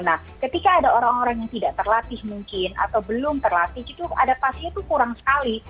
nah ketika ada orang orang yang tidak terlatih mungkin atau belum terlatih itu adaptasinya itu kurang sekali